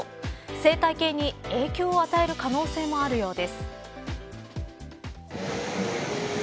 生態系に影響を与える可能性もあるようです。